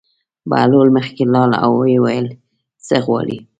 بهلول مخکې لاړ او ویې ویل: څه غواړې.